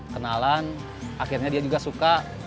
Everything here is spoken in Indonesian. kenalan akhirnya dia juga suka